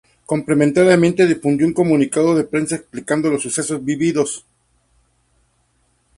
Complementariamente difundió un comunicado de prensa explicando los sucesos vividos.